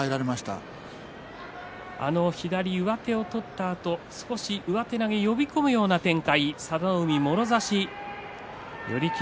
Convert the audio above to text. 左上手を取ったあと少し上手投げを呼び込むような展開